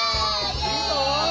いいぞ！